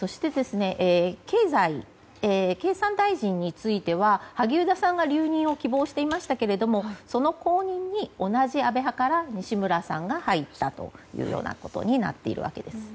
経産大臣については萩生田さんが留任を希望していましたけれどもその後任に同じ安倍派から西村さんが入ったようなことになっているわけです。